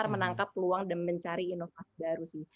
menangkap peluang dan mencari inovasi baru sih